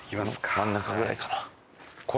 真ん中ぐらいかな？